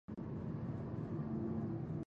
سپي انسان پېژندلی شي.